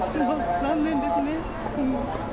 残念ですね。